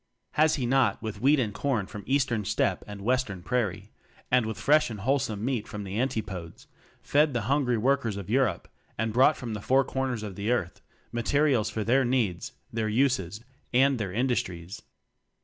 Has he not with wheat and corn from Eastern steppe and Western prairie, and with fresh and wholesome meat from the Antipodes, fed the hun gry workers of Europe; and brought from the four corners of the Earth materials for their needs, their uses, and their industries?